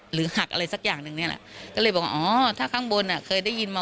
หรือหักอะไรสักอย่างนึงเนี่ยละก็เลยบอกอ๋อถ้าข้างบนอ่ะ